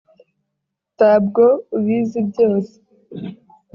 tabwo ubizi byose